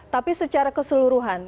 tapi secara keseluruhan